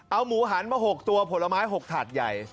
เอาหมูหันมา๖ตัวผลไม้๖ถาดใหญ่